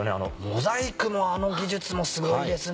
モザイクもあの技術もスゴいですね。